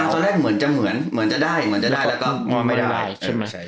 กลับมาตอนแรกเหมือนจะเหมือนเหมือนจะได้เหมือนจะได้แล้วก็ไม่ได้ใช่ไหม